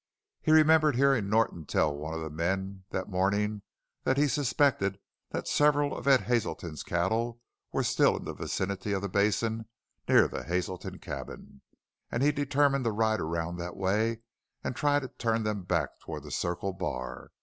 He remembered hearing Norton tell one of the men that morning that he suspected that several of Ed Hazelton's cattle were still in the vicinity of the basin near the Hazelton cabin, and he determined to ride around that way and try to turn them back toward the Circle Bar.